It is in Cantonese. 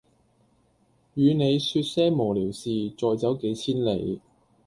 與你說些無聊事再走幾千里